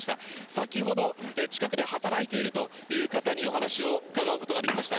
先ほど、近くで働いているという方にお話を伺うことができました。